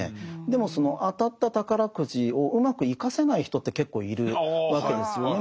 でもその当たった宝くじをうまく生かせない人って結構いるわけですよね。